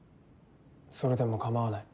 それでも構わない。